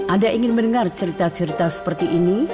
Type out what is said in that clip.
anda ingin mendengar cerita cerita seperti ini